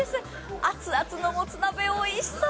熱々のもつ鍋、おいしそう。